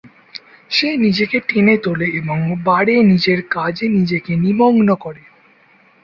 সে নিজেকে টেনে তোলে এবং বারে নিজের কাজে নিজেকে নিমগ্ন করে।